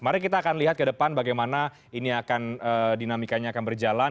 mari kita akan lihat ke depan bagaimana ini akan dinamikanya akan berjalan